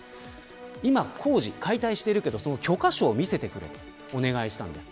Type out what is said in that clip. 今、工事、解体しているけど許可証を見せてくれとお願いしたんです。